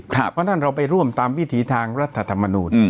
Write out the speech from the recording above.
เพราะฉะนั้นเราไปร่วมตามวิถีทางรัฐธรรมนูญ